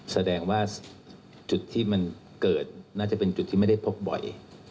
แสดงว่าจุดที่มันเกิดน่าจะเป็นจุดที่ไม่ได้พบบ่อย